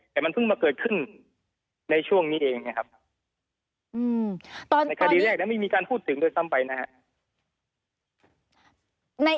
แต่มันเพิ่งมาเกิดขึ้นในช่วงนี้เองนะครับในคดีแรกไม่มีการพูดถึงด้วยซ้ำไปนะครับ